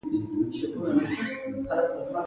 یو د پاچاکېدلو مبارکي وي.